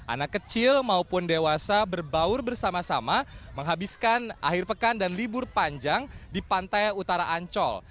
anak kecil maupun dewasa berbaur bersama sama menghabiskan akhir pekan dan libur panjang di pantai utara ancol